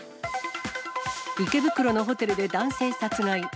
池袋のホテルで男性殺害。